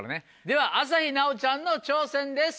では朝日奈央ちゃんの挑戦です。